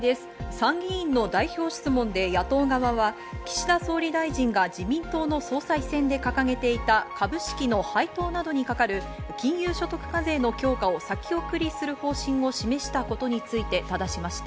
参議院の代表質問で野党側は岸田総理大臣が自民党の総裁選で掲げていた株式の配当などにかかる金融所得課税の強化を先送りする方針を示したことについてただしました。